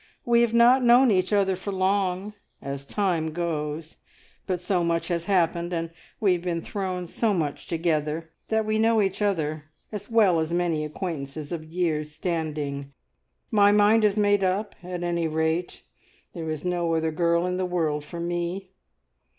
We have not known each other for long, as time goes, but so much has happened, and we have been thrown so much together, that we know each other as well as many acquaintances of years' standing. My mind is made up, at any rate; there is no other girl in the world for me!